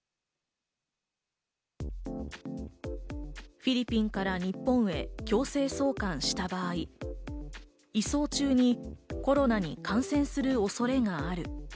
フィリピンから日本へ強制送還した場合、移送中にコロナに感染する恐れがある。